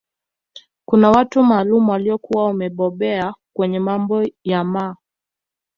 Kuna watu maalum waliokuwa wamebobea kwenye mambo ya mma